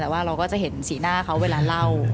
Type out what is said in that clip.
แต่ว่าเราก็จะเห็นสีหน้าเขาเวลาเล่า